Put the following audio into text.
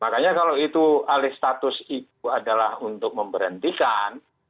makanya kalau itu alih status itu adalah untuk memberhentikan